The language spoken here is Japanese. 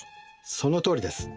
そのとおりです。